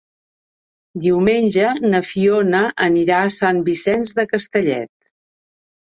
Diumenge na Fiona anirà a Sant Vicenç de Castellet.